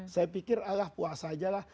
saya pikir allah puasa aja lah